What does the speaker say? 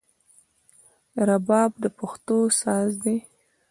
رباب د پښتو ساز دی